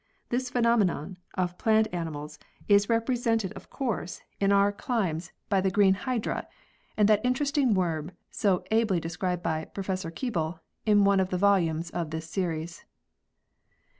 This phenomenon of plant animals is represented of course in our iv] LIFE HISTORY AND ENVIRONMENT 49 climes by the green hydra, and that interesting worm so ably described by Prof. Keeble in one of the volumes of this series.